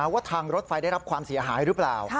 ว่าทางรถไฟได้รับความเสียหายหรือเปล่า